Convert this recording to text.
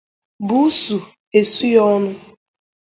bùúsù esu ya ọnụ